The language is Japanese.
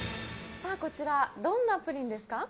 さぁこちらどんなプリンですか？